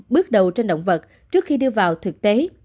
bước đầu trên động vật trước khi đưa vào thực tế